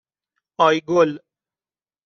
آیگل